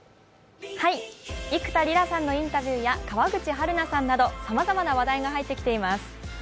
幾田りらさんのインタビューや川口春奈さんなどさまざまな話題が入ってきています。